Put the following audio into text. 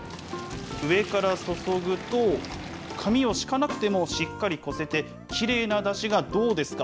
上から注ぐと、紙を敷かなくてもしっかりこせて、きれいなだしが、どうですか？